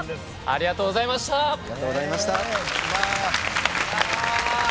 ありがとうございました！ああ！